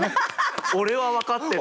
俺は分かってた？